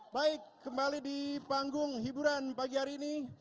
baik kembali di panggung hiburan pagi hari ini